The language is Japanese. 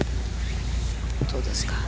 どうですか。